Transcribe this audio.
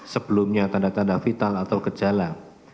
sebelumnya tanda tanda vital atau gejala